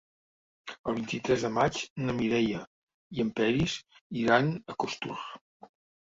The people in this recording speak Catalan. El vint-i-tres de maig na Mireia i en Peris iran a Costur.